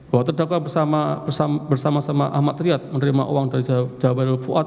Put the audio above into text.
waktu didakwa bersama sama ahmad triad menerima uang dari jawa hirul fuad